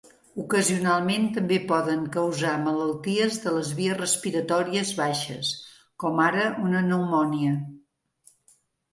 Ocasionalment també poden causar malalties de les vies respiratòries baixes, com ara una pneumònia.